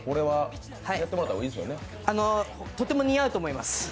はい、とても似合うと思います。